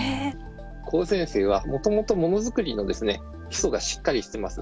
高専生は、もともとものづくりの基礎がしっかりしてます。